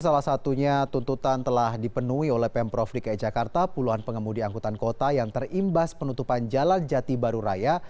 salah satunya tuntutan telah dipenuhi oleh pemprov dki jakarta puluhan pengemudi angkutan kota yang terimbas penutupan jalan jati baru raya